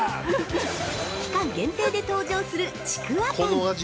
◆期間限定で登場するちくわパン！